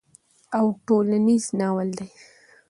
او ټولنيز ناول دی